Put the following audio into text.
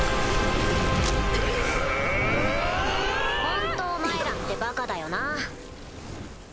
ホントお前らってバカだよな。